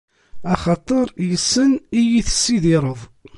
Axaṭer yes-sen i yi-tessidireḍ.